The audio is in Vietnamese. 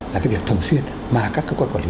là cái việc thường xuyên mà các cơ quan quản lý